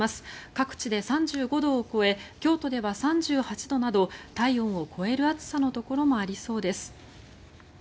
各地で３５度を超え京都では３８度など体温を超える暑さのところもありそうです。